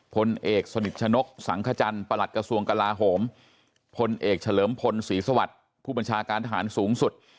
พลเอกสนิทชนกสังขจันทร์ประหลัดกระทรวงกลาโหมพลเอกเฉลิมพลศรีสวัสดิ์ผู้บัญชาการทหารสูงสุด